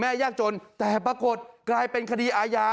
ยากจนแต่ปรากฏกลายเป็นคดีอาญา